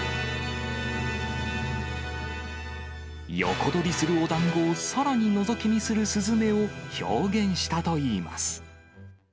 横取りするおだんごをさらにのぞき見するスズメを表現したといいます。